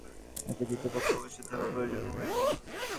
একটি তৃতীয় পক্ষ অবশ্যই থাকা প্রয়োজন, উহাই মন।